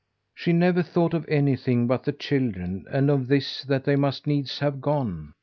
She never thought of anything but the children, and of this that they must needs have gone.